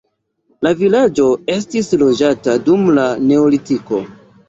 La vilaĝo estis loĝata dum la neolitiko.